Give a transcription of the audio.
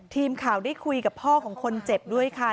ทีมข่าวได้คุยกับพ่อของคนเจ็บด้วยค่ะ